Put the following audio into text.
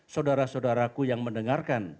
saudara saudaraku yang mendengarkan